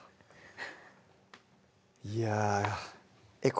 いやえっ？